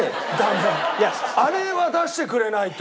あれは出してくれないと。